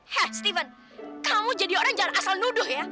hah steven kamu jadi orang jangan asal nuduh ya